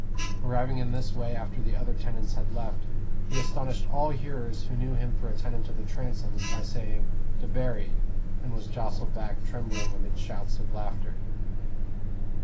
Arriving in this way after the other tenants had left, he astonished all hearers who knew him for a tenant of the Transomes by saying "Debarry," and was jostled back trembling amid shouts of laughter.